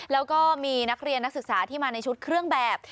แล้วก็มีนักเรียนนักศึกษาที่มาในชุดเครื่องแบบ